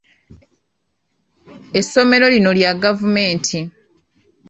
Essomero lino lya gavumenti.